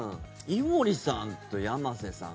井森さんと山瀬さん。